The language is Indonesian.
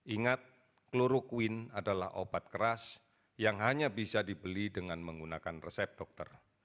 ingat kloroquine adalah obat keras yang hanya bisa dibeli dengan menggunakan resep dokter